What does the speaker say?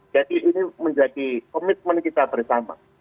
jadi ini menjadi komitmen kita bersama